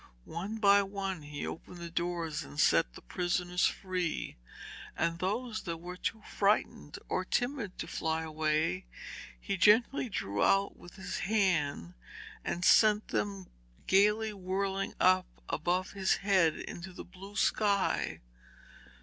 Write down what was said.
One by one he opened the doors and set the prisoners free, and those that were too frightened or timid to fly away, he gently drew out with his hand, and sent them gaily whirling up above his head into the blue sky.